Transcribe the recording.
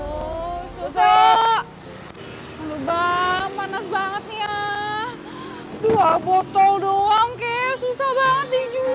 susu kendelek susu alubang panas banget ya dua botol doang kek susah banget dijual